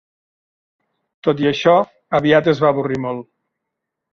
Tot i això, aviat es va avorrir molt.